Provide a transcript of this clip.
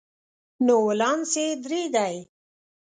نو ولانس یې درې دی.